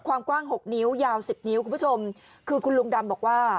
ความกว้างหกนิ้วยาวสิบนิ้วคุณผู้ชมคือคุณลุงดำบอกว่า